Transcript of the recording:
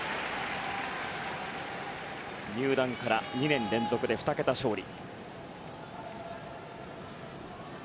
入団から２年連続で２桁勝利。